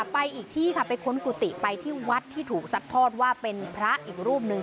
ไปอีกที่ค่ะไปค้นกุฏิไปที่วัดที่ถูกซัดทอดว่าเป็นพระอีกรูปหนึ่ง